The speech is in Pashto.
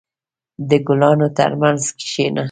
• د ګلانو ترمنځ کښېنه.